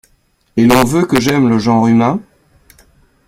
Et l’on veut que j’aime le genre humain !